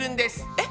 えっ？